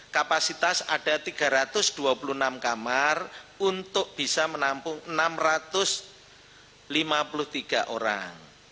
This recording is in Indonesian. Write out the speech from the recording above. kapasitas ada tiga ratus dua puluh enam kamar untuk bisa menampung enam ratus lima puluh tiga orang